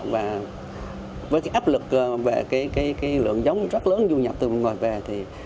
và với cái áp lực về cái lượng giống rất lớn du nhập từ ngoài về thì